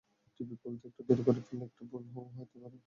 TV খুলতে একটু দেরি করে ফেললে একটা বলও হয়তো দেখার সৌভাগ্য হয়নি আপনার।